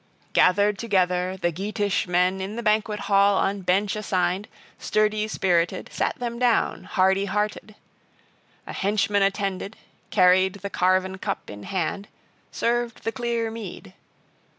Gathered together, the Geatish men in the banquet hall on bench assigned, sturdy spirited, sat them down, hardy hearted. A henchman attended, carried the carven cup in hand, served the clear mead.